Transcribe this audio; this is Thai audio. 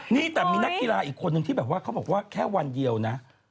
นี่แต่มีนักกีฬาอีกคนนึงที่แบบว่าเขาบอกว่าแค่วันเดียวนะ